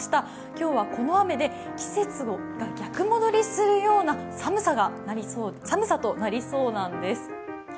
今日はこの雨で季節が逆戻りするような寒さとなりそうなんです。